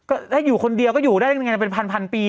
ก็ถ้าอยู่คนเดียวก็อยู่ได้ยังไงเป็นพันปี